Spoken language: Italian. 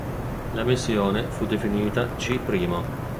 La missione fu definita 'C-Primo'.